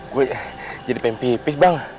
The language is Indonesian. gue jadi pem pipis bang